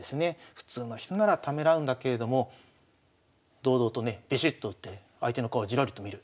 普通の人ならためらうんだけれども堂々とねビシッと打って相手の顔をじろりと見る。